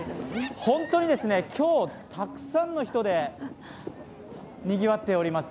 本当に今日、たくさんの人でにぎわっております。